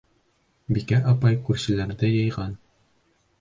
Бикә апай күршеләрҙе йыйған.